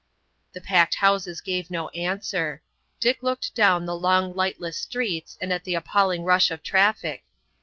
The packed houses gave no answer. Dick looked down the long lightless streets and at the appalling rush of traffic.